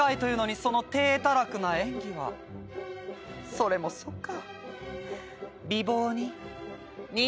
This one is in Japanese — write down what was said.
それもそっか。